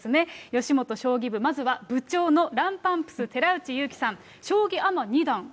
よしもと将棋部、まずは部長のランパンプス・寺内ゆうきさん、将棋アマ二段。